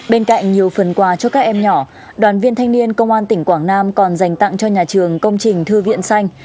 bên cạnh nhiều phần quà cho các em nhỏ đoàn viên thanh niên công an tỉnh quảng nam còn dành tặng cho nhà trường công trình thư viện xanh